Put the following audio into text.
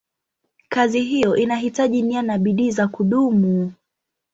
Kazi hiyo inahitaji nia na bidii za kudumu.